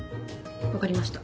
分かりました。